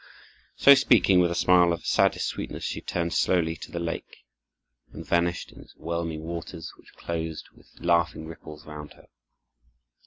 So speaking, with a smile of saddest sweetness, she turned slowly to the lake, and vanished in its whelming waters, which closed with laughing ripples round her.